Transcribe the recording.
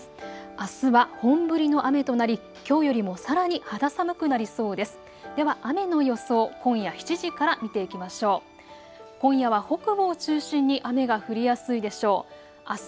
あすは本降りの雨となりきょうよりもさらに肌寒くなりそうです。